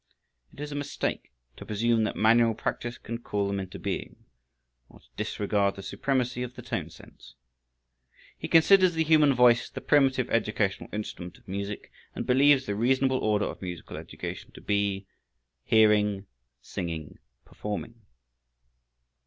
It is a mistake to presume that manual practice can call them into being, or to disregard the supremacy of the tone sense. He considers the human voice the primitive educational instrument of music and believes the reasonable order of musical education to be: hearing, singing, performing.